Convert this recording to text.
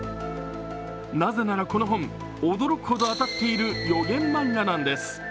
なぜなら、この本、驚くほど当たっている予言マンガなんです。